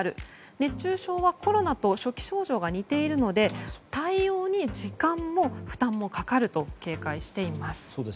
熱中症はコロナと初期症状が似ているので対応に時間も負担もかかると警戒しています。